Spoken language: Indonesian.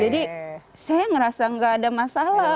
jadi saya ngerasa gak ada masalah